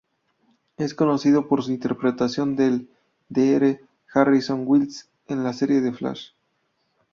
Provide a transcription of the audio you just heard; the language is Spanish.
Es conocido por su interpretación del Dr. Harrison Wells en la serie The Flash.